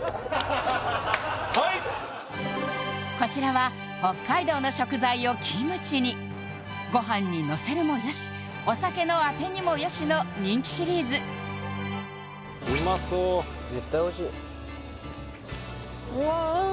はいこちらは北海道の食材をキムチにご飯にのせるもよしお酒のアテにもよしの人気シリーズうまそう絶対おいしいようわ